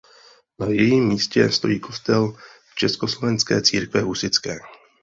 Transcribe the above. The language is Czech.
Na jejím místě stojí kostel Československé církve husitské.